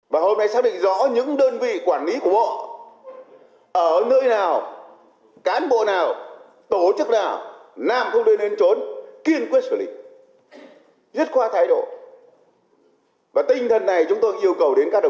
và hôm nay xác định rõ những đơn vị quản lý của bộ